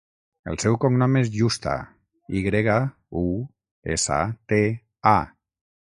El seu cognom és Yusta: i grega, u, essa, te, a.